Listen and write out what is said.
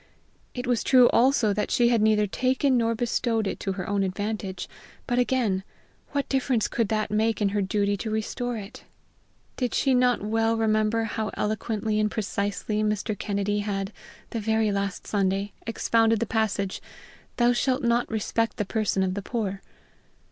It was true also that she had neither taken nor bestowed it to her own advantage; but again, what difference could that make in her duty to restore it? Did she not well remember how eloquently and precisely Mr. Kennedy had, the very last Sunday, expounded the passage, "Thou shalt not respect the person of the poor."